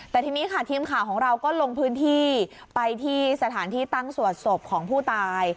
แต่ทีนี้ค่ะทีมข่าวของเราก็ลงพื้นที่ไปที่สถานที่ตั้งสวดศพของผู้ตาย